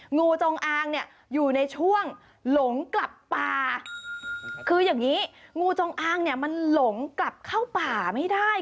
งูจงอางเนี่ยอยู่ในช่วงหลงกลับป่าคืออย่างนี้งูจงอางเนี่ยมันหลงกลับเข้าป่าไม่ได้